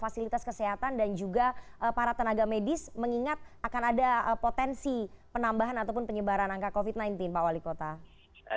fasilitas kesehatan dan juga para tenaga medis mengingat akan ada potensi penambahan ataupun penyebaran angka covid sembilan belas pak wali kota